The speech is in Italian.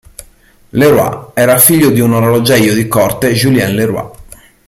Le Roy era figlio di un orologiaio di corte Julien Le Roy.